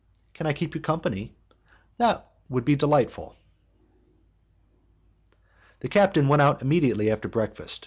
"Can I keep you company?" "That would be delightful." The captain went out immediately after breakfast.